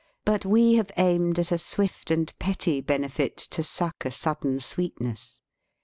But we have aimed at a swift and petty benefit, 42 DISCUSSION to suck a sudden sweetness.